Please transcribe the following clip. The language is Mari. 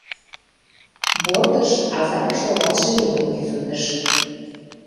Бортыш азапыш логалше еҥым кӱзыктыш.